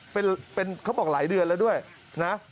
เป็นเขาบอกหลายเดือนแล้วด้วยนะ